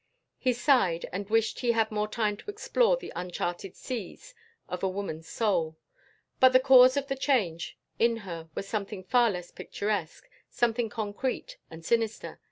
He sighed and wished he had more time to explore the uncharted seas of a woman's soul. But the cause of the change in her was something far less picturesque, something concrete and sinister.